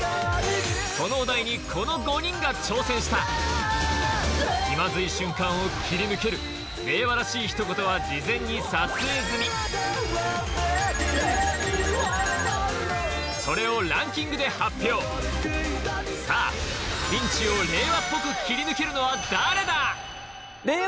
そのお題にこの５人が挑戦した気まずい瞬間を切り抜ける令和らしいひと言は事前に撮影済みそれをランキングで発表さあピンチを令和っぽく切り抜けるのは誰だ？